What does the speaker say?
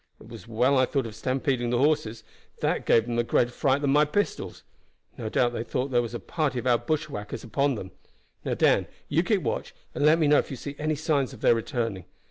It was well I thought of stampeding the horses; that gave them a greater fright than my pistols. No doubt they thought that there was a party of our bushwhackers upon them. Now, Dan, you keep watch, and let me know if you see any signs of their returning.